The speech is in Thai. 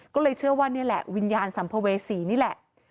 ก็เลยเชื่อว่านี่แหละวิญญาณสัมภเวษีนี่แหละ